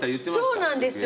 そうなんですよ。